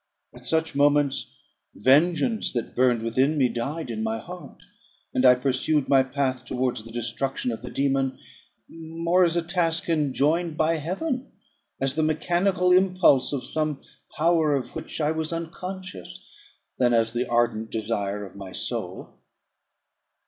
At such moments vengeance, that burned within me, died in my heart, and I pursued my path towards the destruction of the dæmon, more as a task enjoined by heaven, as the mechanical impulse of some power of which I was unconscious, than as the ardent desire of my soul.